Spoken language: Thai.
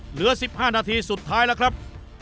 เหลือสิบห้านาทีสุดท้ายละครับ